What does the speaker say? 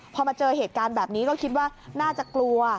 พอมาเจอเหตุการณ์แบบนี้ก็คิดว่าน่าจะกลัว